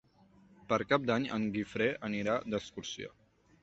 Per Cap d'Any en Guifré anirà d'excursió.